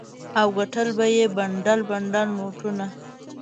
او ګټل به یې بنډل بنډل نوټونه.